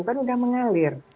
kan sudah mengalir